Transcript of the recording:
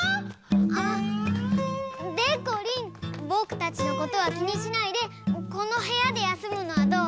あっでこりんボクたちのことはきにしないでこのへやでやすむのはどう？